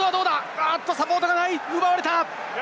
おっと、サポートがない奪われた。